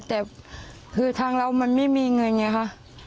แต่คือทางเรามันไม่มีเงินไงคะ